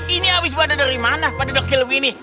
ini abis badan dari mana pada dokil winnie